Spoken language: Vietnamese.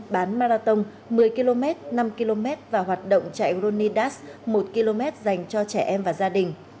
bán marathon một mươi km năm km và hoạt động chạy ronidas một km dành cho trẻ em và gia đình